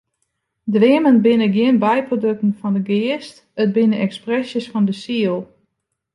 Dreamen binne gjin byprodukten fan de geast, it binne ekspresjes fan de siel.